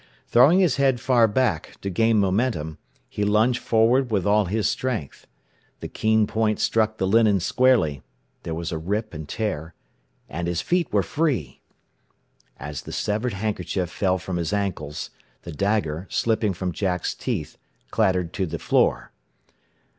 Throwing his head far back, to gain momentum, he lunged forward with all his strength. The keen point struck the linen squarely, there was a rip and tear and his feet were free. As the severed handkerchief fell from his ankles, the dagger, slipping from Jack's teeth, clattered to the floor.